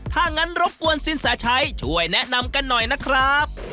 ถ้างั้นรบกวนสินแสชัยช่วยแนะนำกันหน่อยนะครับ